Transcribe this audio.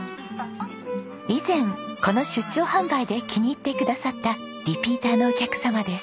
以前この出張販売で気に入ってくださったリピーターのお客様です。